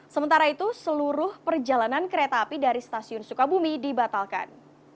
sementara itu seluruh perjalanan kereta api dari stasiun sukabumi dibatalkan